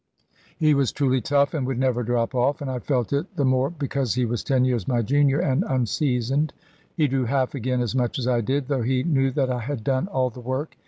He was truly tough, and would never drop off; and I felt it the more because he was ten years my junior, and unseasoned. He drew half again as much as I did, though he knew that I had done all the work.